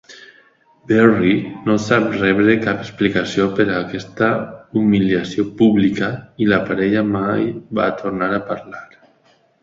Berry no va rebre cap explicació per a aquesta humiliació pública i la parella mai va tornar a parlar.